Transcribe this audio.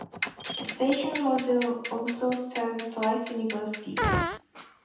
The station also serves Rice University.